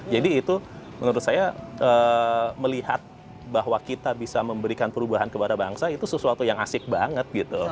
jadi itu menurut saya melihat bahwa kita bisa memberikan perubahan kepada bangsa itu sesuatu yang asik banget